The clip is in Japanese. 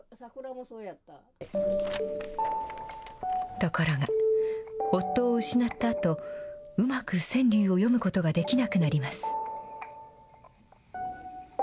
ところが、夫を失ったあと、うまく川柳を詠むことができなくなります。